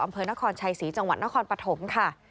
อำเภอนครชัยศรีจังหวัดนครปฐมค่ะ